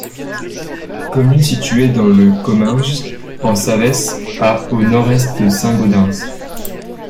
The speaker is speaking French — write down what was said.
Commune située dans le Comminges en Savès à au nord-est de Saint-Gaudens.